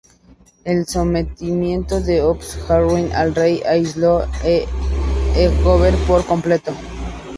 El sometimiento del obispo Hartwig al rey aisló a Egberto por completo.